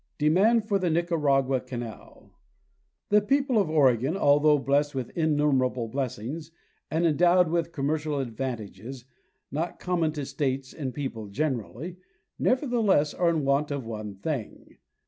Demand for the Nicaragua Canal. The people of Oregon, although blessed with innumerable blessings and endowed with commercial advantages not com mon to states and people generally, nevertheless are in want of one thing.